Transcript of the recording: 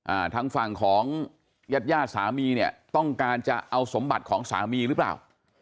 ทางฝั่งของญาติญาติสามีเนี่ยต้องการจะเอาสมบัติของสามีหรือเปล่า